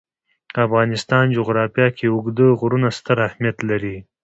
د افغانستان جغرافیه کې اوږده غرونه ستر اهمیت لري.